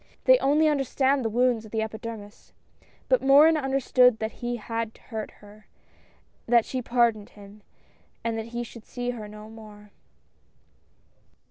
They only understand the wounds of the epidermis. But Morin understood that he had hurt her — that she pardoned him, and that he should see her no more.